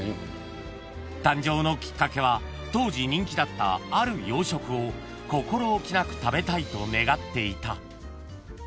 ［誕生のきっかけは当時人気だったある洋食を心置きなく食べたいと願っていた］